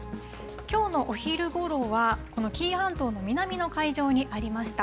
きょうのお昼ごろは、この紀伊半島の南の海上にありました。